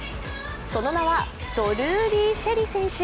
その名は、ドルーリー朱瑛里選手。